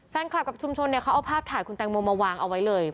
กับชุมชนเนี่ยเขาเอาภาพถ่ายคุณแตงโมมาวางเอาไว้เลย